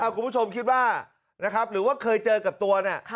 คุณผู้ชมคิดว่านะครับหรือว่าเคยเจอกับตัวเนี่ย